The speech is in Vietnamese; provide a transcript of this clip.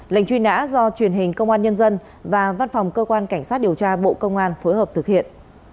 lệnh truy nã do truyền hình công an nhân dân và văn phòng cơ quan cảnh sát điều tra bộ công an phối hợp thực hiện